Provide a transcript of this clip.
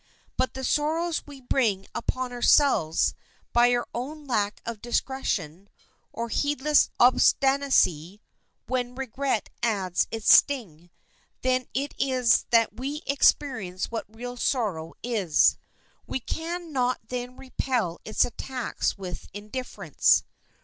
But the sorrows we bring upon ourselves by our own lack of discretion, or heedless obstinacy, when regret adds its sting, then it is that we experience what real sorrow is. We can not then repel its attacks with indifference.